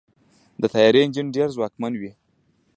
د طیارې انجن ډېر ځواکمن وي.